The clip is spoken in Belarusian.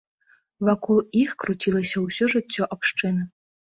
Вакол іх круцілася ўсё жыццё абшчыны.